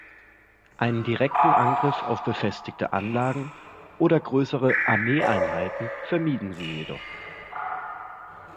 Einen direkten Angriff auf befestigte Anlagen oder größere Armee-Einheiten vermieden sie jedoch.